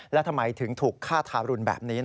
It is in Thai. แล้วทำไมถึงถูกฆ่าทารุณแบบนี้